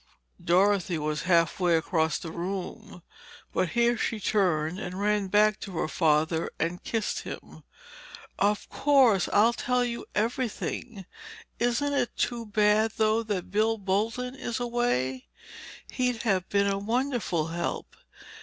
Dorothy was half way across the room, but here she turned and ran back to her father and kissed him. "Of course I'll tell you everything. Isn't it too bad, though, that Bill Bolton is away? He'd have been a wonderful help.